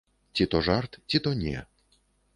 Ці то жарт, ці то не.